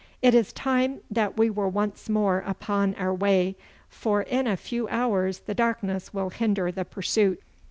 It is time that we were once more upon our way, for in a few hours the darkness will hinder the pursuit.